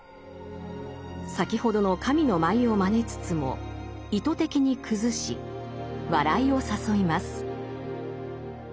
先ほどの神の舞をまねつつも意図的に崩し笑いを誘います。